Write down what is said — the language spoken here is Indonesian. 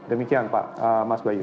demikian pak mas bayu